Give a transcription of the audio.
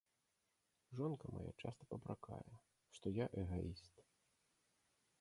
Жонка мая часта папракае, што я эгаіст.